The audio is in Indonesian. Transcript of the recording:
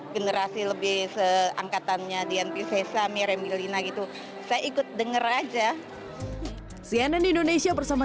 generasi lebih seangkatannya diantisesa miremilina gitu saya ikut denger aja cnn indonesia bersama